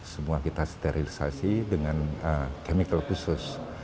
semua kita sterilisasi dengan chemical khusus